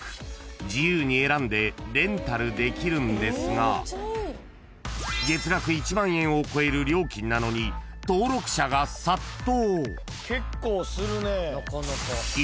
［自由に選んでレンタルできるんですが月額１万円を超える料金なのに登録者が殺到］